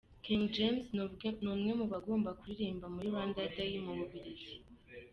King James ni umwe mu bagomba kuririmba muri Rwanda Day mu Bubiligi.